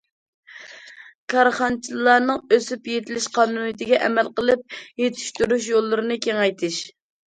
كارخانىچىلارنىڭ ئۆسۈپ يېتىلىش قانۇنىيىتىگە ئەمەل قىلىپ، يېتىشتۈرۈش يوللىرىنى كېڭەيتىش.